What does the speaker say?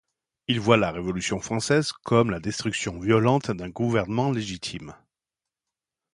Il voit la Révolution française comme la destruction violente d'un gouvernement légitime.